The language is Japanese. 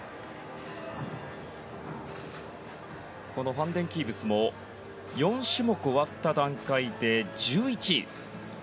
ファン・デン・キーブスも４種目終わった段階で１１位。